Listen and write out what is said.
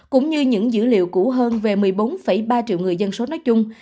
cũng như những dữ liệu cũ hơn về một mươi bốn ba triệu người dân số nói chung